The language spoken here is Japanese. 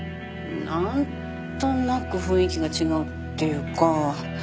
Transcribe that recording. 何となく雰囲気が違うっていうか。